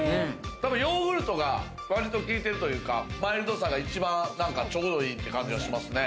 ヨーグルトが割と効いてるというか、マイルドさが一番ちょうどいいって感じがしますね。